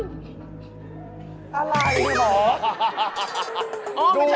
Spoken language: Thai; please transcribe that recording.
เกิดอะไรขึ้น